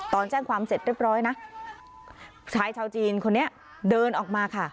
ตอนแจ้งความเสร็จเรียบร้อยนะชายชาวจีนคนนี้เดินออกมาค่ะ